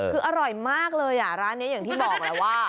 คืออร่อยมากเลยอ่ะร้านนี้อย่างที่บอกแล้วว่า